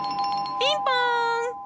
ピンポン！